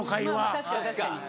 確かに確かに。